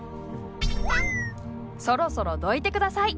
そろそろどいて下さい。